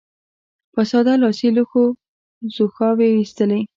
په ساده لاسي لوښو ځوښاوې اېستلې.